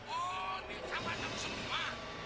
oh nih sama sama semua